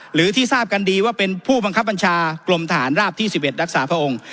หรือที่ทราบกันดีว่าเป็นผู้บังคับบัญชากรมทหารราบที่๑๑รักษาพระองค์